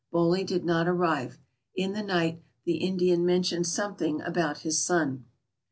Boley did not arrive. In the night the Indian mentioned something about his son.